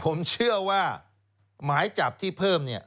ผมเชื่อว่าหมายจับที่เพิ่มเนี่ย